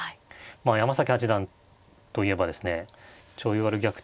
まあ山崎八段といえばですねちょい悪逆転